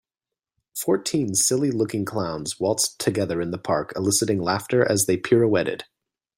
Fourteen silly looking clowns waltzed together in the park eliciting laughter as they pirouetted.